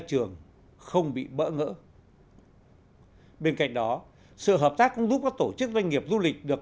trường không bị bỡ ngỡ bên cạnh đó sự hợp tác cũng giúp các tổ chức doanh nghiệp du lịch được